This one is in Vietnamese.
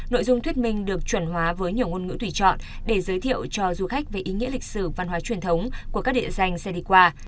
nội dung thuyết minh được chuẩn hóa với nhiều ngôn ngữ thủy chọn để giới thiệu cho du khách về ý nghĩa lịch sử văn hóa truyền thống của các địa danh xe đi qua